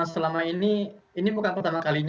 selama ini ini adalah perkembangan yang sangat penting